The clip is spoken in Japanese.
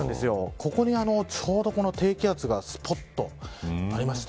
ここにちょうど低気圧がすぽっとありまして